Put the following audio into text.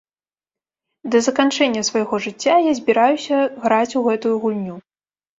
Да заканчэння свайго жыцця я збіраюся граць у гэтую гульню!